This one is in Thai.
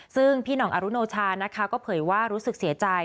ซึ่งพี่หน่องอรุโนชานะคะก็เผยว่ารู้สึกเสียใจ